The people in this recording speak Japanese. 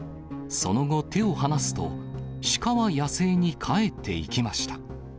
その後、手を離すと、シカは野生に帰っていきました。